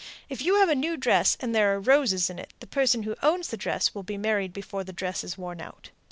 If you have a new dress and there are roses in it, the person who owns the dress will be married before the dress is worn out.